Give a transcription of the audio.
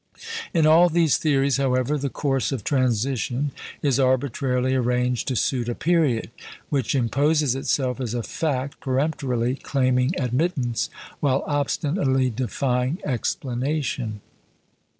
In all these theories, however, the course of transition is arbitrarily arranged to suit a period, which imposes itself as a fact peremptorily claiming admittance, while obstinately defying explanation.